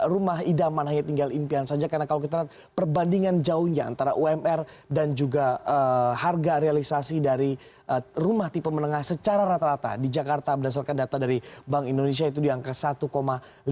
rumah idaman hanya tinggal impian saja karena kalau kita lihat perbandingan jauhnya antara umr dan juga harga realisasi dari rumah tipe menengah secara rata rata di jakarta berdasarkan data dari bank indonesia itu di angka satu lima juta